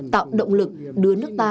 tạo động lực đưa nước ta đến đất đai